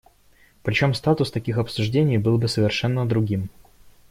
Причем статус таких обсуждений был бы совершенно другим.